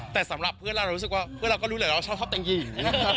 แต่สำหรับเพื่อนเราเรารู้สึกว่าเพื่อนเราก็รู้เลยว่าเราชอบแต่งหญิง